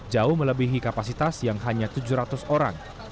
jauh melebihi kapasitas yang hanya tujuh ratus orang